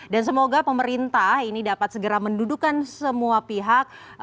dan semoga pemerintah ini dapat segera mendudukan semua pihak